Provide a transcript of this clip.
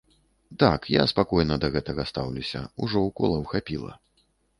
Так, я спакойна да гэтага стаўлюся, ужо уколаў хапіла.